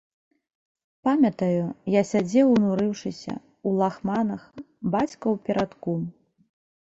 Памятаю, я сядзеў унурыўшыся, у лахманах, бацька ў перадку.